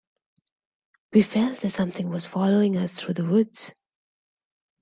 We felt that something was following us through the woods.